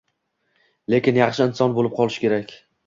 Lekin yaxshi inson boʻlib qolish kerak